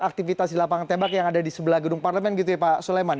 aktivitas di lapangan tembak yang ada di sebelah gedung parlemen gitu ya pak suleman